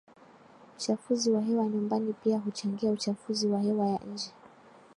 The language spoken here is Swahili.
Uchafuzi wa hewa nyumbani pia huchangia uchafuzi wa hewa ya nje